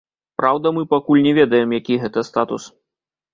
Праўда, мы пакуль не ведаем, які гэта статус.